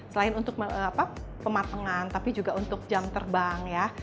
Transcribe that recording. selain untuk pematengan tapi juga untuk jam terbang ya